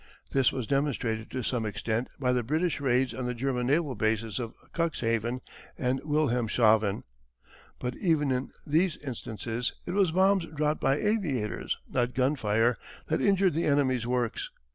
This was demonstrated to some extent by the British raids on the German naval bases of Cuxhaven and Wilhelmshaven, but even in these instances it was bombs dropped by aviators, not gunfire that injured the enemy's works.